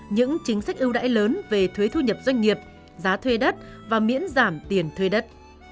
những chính sách ưu đãi lớn về thuế thu nhập doanh nghiệp giá thuê đất và miễn giảm tiền thuê đất